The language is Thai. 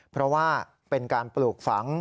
เพราะว่าเป็นการปลูกฝัง